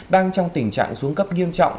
đang trong tình trạng xuống cấp nghiêm trọng